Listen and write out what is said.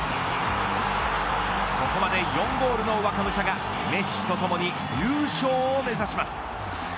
ここまで４ゴールの若武者がメッシとともに優勝を目指します。